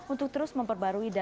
untuk terus memperbarui banjir